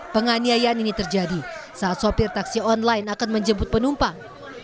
penganiayaan ini terjadi saat sopir taksi online akan menjemput penumpang